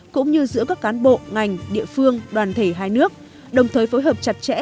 cũng như giữa các cán bộ ngành địa phương đoàn thể hai nước đồng thời phối hợp chặt chẽ